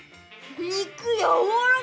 肉やわらか！